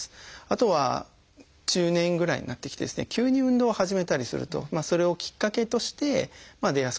あとは中年ぐらいになってきて急に運動を始めたりするとそれをきっかけとして出やすくなったりというふうなこと。